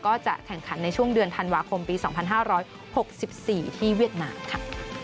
ก็จะแข่งขันในช่วงเดือนธันวาคมปี๒๕๖๔ที่เวียดนามค่ะ